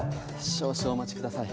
少々お待ちください。